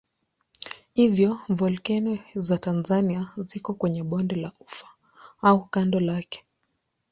Hivyo volkeno za Tanzania ziko kwenye bonde la Ufa au kando lake.